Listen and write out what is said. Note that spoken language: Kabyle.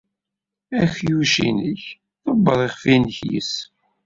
Akluc-nnek, ḍebber iɣef-nnek yes-s.